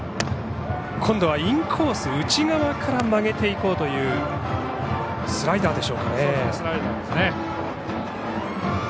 今度はインコース内側から曲げていこうというスライダーですね。